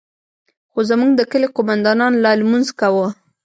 خو زموږ د كلي قومندان لا لمونځ كاوه.